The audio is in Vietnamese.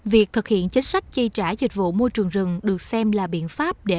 việc thực hiện chính sách chi trả dịch vụ môi trường rừng được xem là biện pháp để bảo vệ rừng